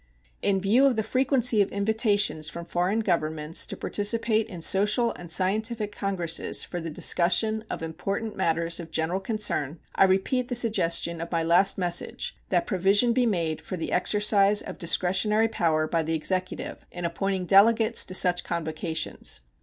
In view of the frequency of invitations from foreign governments to participate in social and scientific congresses for the discussion of important matters of general concern, I repeat the suggestion of my last message that provision be made for the exercise of discretionary power by the Executive in appointing delegates to such convocations.